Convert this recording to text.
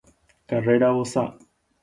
Karréra vosa